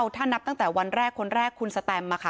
ถ้านับตั้งแต่วันแรกคนแรกคุณสแตม